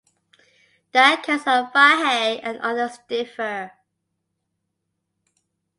The accounts of Fahey and others differ.